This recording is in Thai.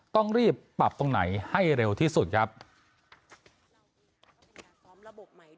ต้องรีบปรับตรงไหนให้เร็วที่สุดครับ